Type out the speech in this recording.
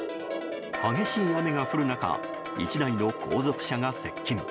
激しい雨が降る中１台の後続車が接近。